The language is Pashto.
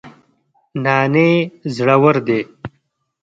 نانی زړور دی